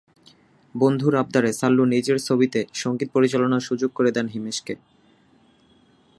বন্ধুর আবদারে সাল্লু নিজের ছবিতে সংগীত পরিচালনার সুযোগ করে দেন হিমেশকে।